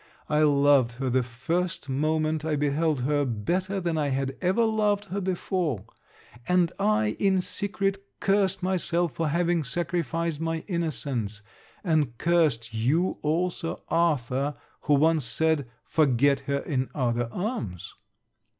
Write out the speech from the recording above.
I loved her the first moment I beheld her better than I had ever loved her before; and I in secret cursed myself for having sacrificed my innocence, and cursed you also, Arthur, who once said, forget her in other arms.